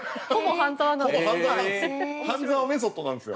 「半沢」メソッドなんですよ。